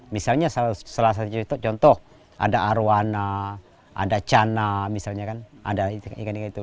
misalnya salah satu contoh ada arowana ada cana misalnya kan ada ikan ikan itu